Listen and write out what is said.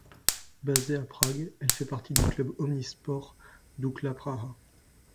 Basée à Prague, elle fait partie du club omnisports Dukla Praha.